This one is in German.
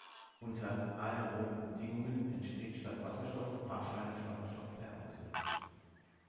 Unter aeroben Bedingungen entsteht statt Wasserstoff wahrscheinlich Wasserstoffperoxid.